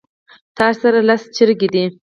تاسره لس چرګې دي